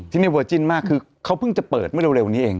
ที่นี่เวอร์จิ้นมากคือเขาเพิ่งจะเปิดเมื่อเร็วนี้เอง